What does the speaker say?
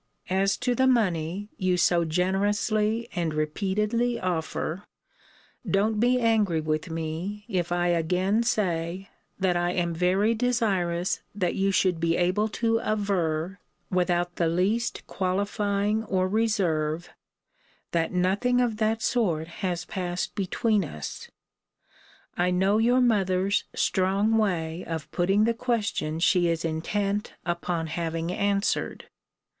As to the money, you so generously and repeatedly offer, don't be angry with me, if I again say, that I am very desirous that you should be able to aver, without the least qualifying or reserve, that nothing of that sort has passed between us. I know your mother's strong way of putting the question she is intent upon having answered.